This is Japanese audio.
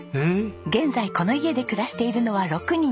現在この家で暮らしているのは６人。